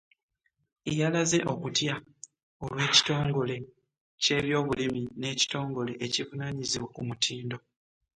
Yalaze okutya olw'ekitongole ky'ebyobulimi n'ekitongole ekivunaanyizibwa ku mutindo.